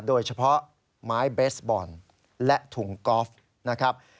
โดยเฉพาะไม้เบสบอลและถุงกอล์ฟนะครับ